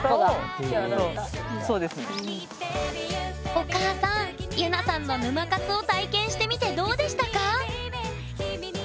お母さんゆなさんの沼活を体験してみてどうでしたか？